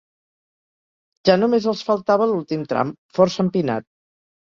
Ja només els faltava l'últim tram, força empinat.